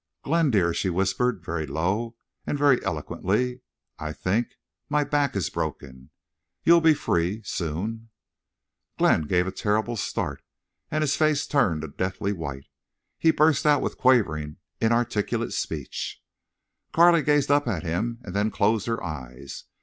"Glenn—dear," she whispered, very low and very eloquently. "I think—my back—is broken.... You'll be free—soon." Glenn gave a terrible start and his face turned a deathly white. He burst out with quavering, inarticulate speech. Carley gazed up at him and then closed her eyes.